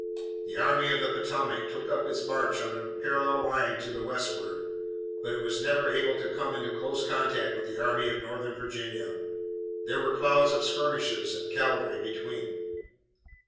The Army of the Potomac took up its march on a parallel line to the westward, but it was never able to come into close contact with the Army of Northern Virginia. There were clouds of skirmishers and cavalry between.